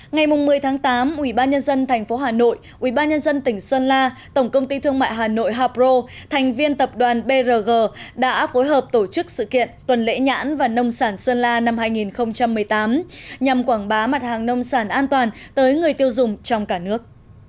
ngày một mươi tháng tám ubnd tp hà nội ubnd tỉnh sơn la tổng công ty thương mại hà nội hapro thành viên tập đoàn brg đã phối hợp tổ chức sự kiện tuần lễ nhãn và nông sản sơn la năm hai nghìn một mươi tám nhằm quảng bá mặt hàng nông sản an toàn tới người tiêu dùng trong cả nước